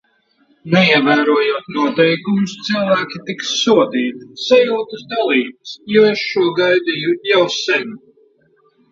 Neievērojot noteikumus, cilvēki tiks sodīti. Sajūtas dalītas, jo es šo gaidīju jau sen.